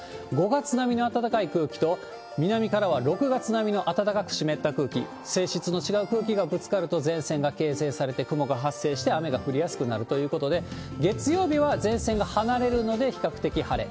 ５月並みの暖かい空気と、南からは６月並みの暖かく湿った空気、性質の違う空気がぶつかると、前線が形成されて、雲が発生して、雨が降りやすくなるということで、月曜日は前線が離れるので、比較的晴れ。